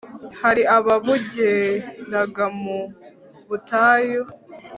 hari ababungeraga mu butayu